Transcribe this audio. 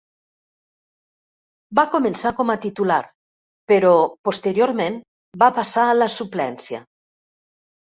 Va començar com a titular, però posteriorment va passar a la suplència.